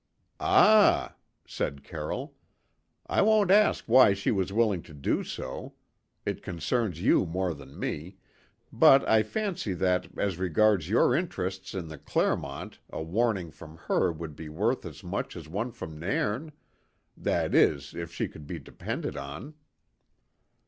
"Ah!" said Carroll; "I won't ask why she was willing to do so it concerns you more than me but I fancy that as regards your interests in the Clermont a warning from her would be worth as much as one from Nairn; that is, if she could be depended on."